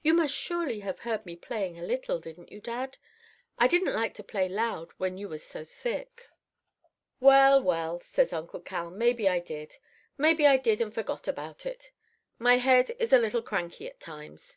You must surely have heard me playing a little, didn't you, dad? I didn't like to play loud when you was so sick.' "'Well, well,' says Uncle Cal, 'maybe I did. Maybe I did and forgot about it. My head is a little cranky at times.